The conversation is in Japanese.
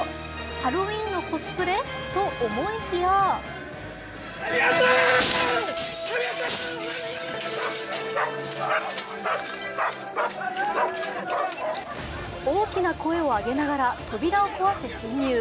ハロウィーンのコスプレ？と思いきや大きな声を上げながら扉を壊し侵入。